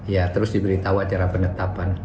ya terus diberitahu acara penetapan